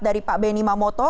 dari pak benny mamoto